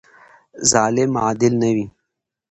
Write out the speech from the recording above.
ظالم عادل نه وي.